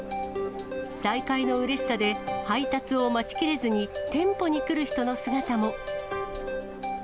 再開のうれしさで、配達を待ちきれずに店舗に来る人の姿も。